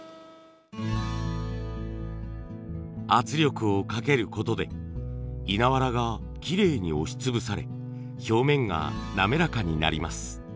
圧力をかけることで稲わらがきれいに押し潰され表面が滑らかになります。